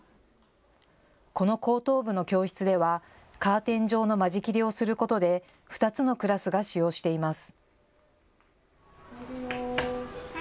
この高等部の教室ではカーテン状の間仕切りをすることで２つのクラスが使用しています。